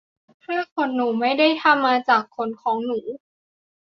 ผ้าขนหนู ไม่ได้ทำมาจากขนของหนู